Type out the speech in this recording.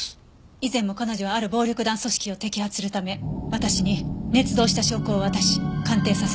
以前も彼女はある暴力団組織を摘発するため私に捏造した証拠を渡し鑑定させました。